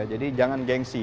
jadi jangan gengsi